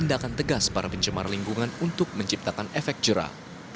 tindakan tegas para pencemar lingkungan untuk menciptakan efek jerah